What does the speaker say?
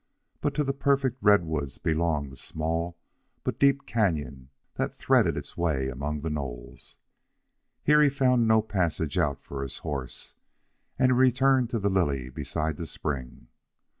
But to the perfect redwoods belonged the small but deep canon that threaded its way among the knolls. Here he found no passage out for his horse, and he returned to the lily beside the spring.